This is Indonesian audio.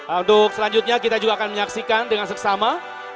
untuk selanjutnya kita juga akan menyaksikan dengan seksama